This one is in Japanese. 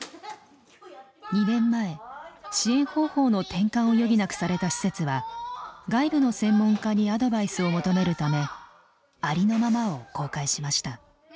２年前支援方法の転換を余儀なくされた施設は外部の専門家にアドバイスを求めるためありのままを公開しました。